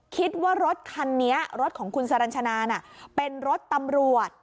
คิดว่ารถคันนี้รถของคุณสรรชนาน่ะเป็นรถตำรวจ